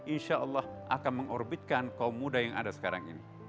insyaallah akan mengorbitkan kaum muda yang ada sekarang ini